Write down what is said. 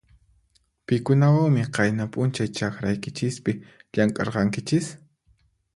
Pikunawanmi qayna p'unchay chakraykichispi llamk'arqanchis?